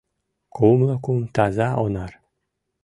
Кумло кум таза онар.